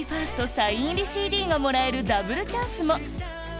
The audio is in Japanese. サイン入りＣＤがもらえるダブルチャンスも！